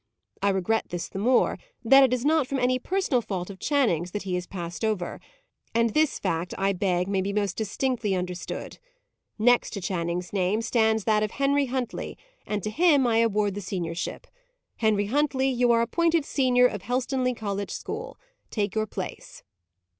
I regret this the more, that it is not from any personal fault of Channing's that he is passed over; and this fact I beg may be most distinctly understood. Next to Channing's name stands that of Henry Huntley, and to him I award the seniorship. Henry Huntley, you are appointed senior of Helstonleigh Collegiate School. Take your place."